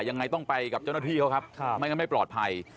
ยังไงต้องไปกับเจ้าหน้าที่เขาครับไม่งั้นไม่ปลอดภัย